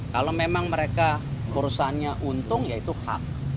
kalau memang mereka urusannya untung ya itu hak